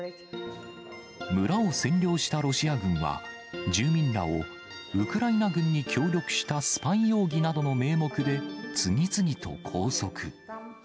村を占領したロシア軍は、住民らをウクライナ軍に協力したスパイ容疑などの名目で、次々と拘束。